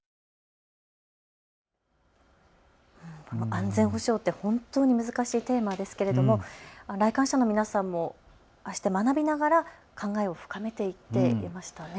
安全保障って本当に難しいテーマですけれども来館者の皆さんもああして学びながら考えを深めていましたね。